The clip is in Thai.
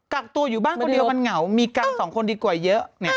กักตัวอยู่บ้านคนเดียวมันเหงามีกันสองคนดีกว่าเยอะ